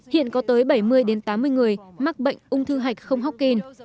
hiện có tới bảy mươi đến tám mươi người mắc bệnh ung thư hạch không hốc kín